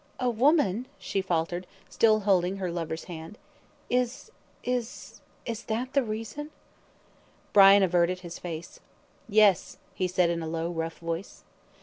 "A woman!" she faltered, still holding her lover's hand. "Is is is that the reason?" Brian averted his face. "Yes!" he said, in a low, rough voice.